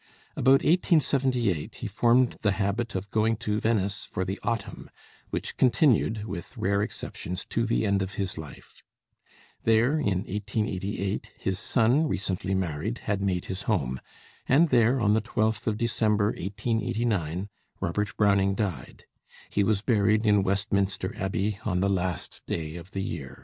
About 1878 he formed the habit of going to Venice for the autumn, which continued with rare exceptions to the end of his life. There in 1888 his son, recently married, had made his home; and there on the 12th of December, 1889, Robert Browning died. He was buried in Westminster Abbey on the last day of the year.